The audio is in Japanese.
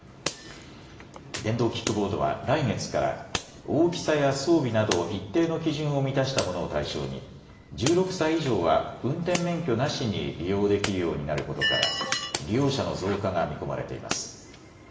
電動キックボードは来月から大きさや装備など一定の基準を満たしたものを対象に１６歳以上は運転免許なしに利用できるようになることから利用者の増加が見込まれています。